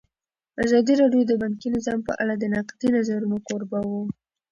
ازادي راډیو د بانکي نظام په اړه د نقدي نظرونو کوربه وه.